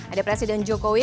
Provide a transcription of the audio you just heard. ada presiden jokowi